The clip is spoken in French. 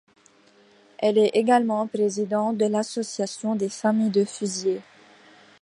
Elle est également présidente de l'Association des familles de fusillés.